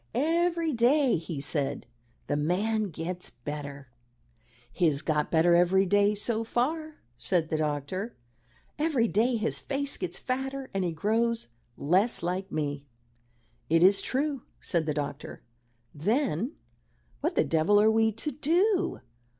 "Every day," he said, "the man gets better." "He has got better every day, so far," said the doctor. "Every day his face gets fatter, and he grows less like me." "It is true," said the doctor. "Then what the devil are we to do?"